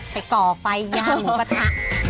ไปก่อไฟยาหมูกระทะ